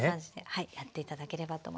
はいやって頂ければと思います。